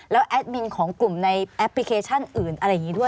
แล้วแอดมินของกลุ่มในแอปพลิเคชันอื่นอะไรอย่างนี้ด้วย